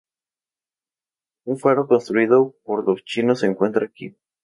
Un faro construido por los chinos se encuentra aquí.